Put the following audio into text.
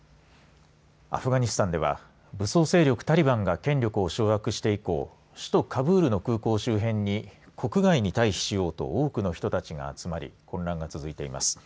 アフガニスタンでは武装勢力タリバンが権力を掌握して以降首都カブールの空港周辺に国外に退避しようと多くの人たちが集まり混乱が続いています。